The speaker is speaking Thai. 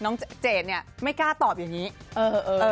น้องเจดนี่ไม่กล้าตอบอย่างนี้เออ